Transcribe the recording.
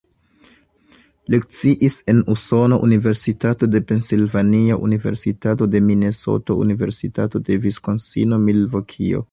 Lekciis en Usono: Universitato de Pensilvanio, Universitato de Minesoto, Universitato de Viskonsino-Milvokio.